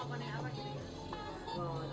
ini tidak ada apa apa